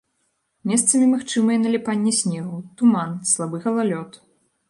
Месцамі магчымае наліпанне снегу, туман, слабы галалёд.